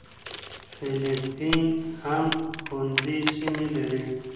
فېلېپین هم خوندي سیمې لري.